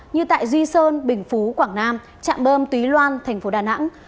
như tại duy sơn bình phú quảng nam trạm bơm túy loan thành phố đà nẵng